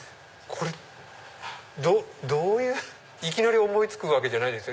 これどういういきなり思い付くわけじゃないですよね。